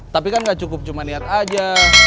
tapi kan gak cukup cuma lihat aja